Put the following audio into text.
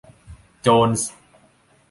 โจนส์